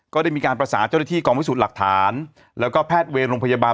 ก็ได้มีการประสานเจ้าหน้าที่กองพิสูจน์หลักฐานแล้วก็แพทย์เวรโรงพยาบาล